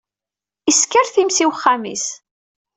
Issekker times i wexxam-is.